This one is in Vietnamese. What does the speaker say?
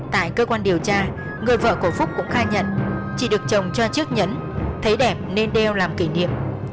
tại cơ quan điều tra người vợ của phúc cũng khai nhận chỉ được chồng cho chiếc nhẫn thấy đẹp nên đeo làm kỷ niệm